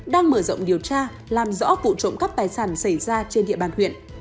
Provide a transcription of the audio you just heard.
đang mở rộng điều tra làm rõ vụ trộm cắp tài sản xảy ra trên địa bàn huyện